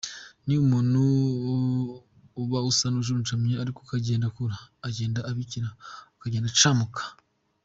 Ni umuntu uba usaba n’ujunjamye ariko uko genda akura agenda abikira akagenda acamuka.